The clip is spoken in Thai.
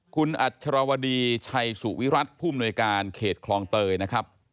คุณอัชรวดีชัยสุวิรัติผู้มนวยการเขตคลองเตยนะครับ